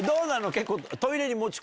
結構。